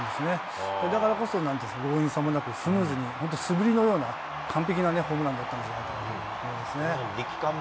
だからこそ強引さもなく、スムーズに素振りのような完璧なホームランだったと思いますね。